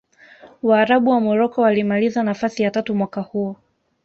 waarabu wa morocco walimaliza nafasi ya tatu mwaka huo